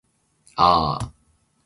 ああ